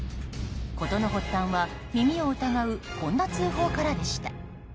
事の発端は耳を疑うこんな通報からでした。